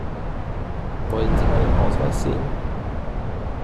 Wollen Sie meinen Ausweis sehen?